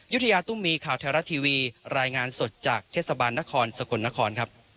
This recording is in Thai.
ยุธยาตุ้มมีข่าวไทยรัฐทีวีรายงานสดจากเทศบาลนครสกลนครครับ